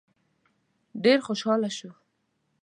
ډېر خوشاله شو.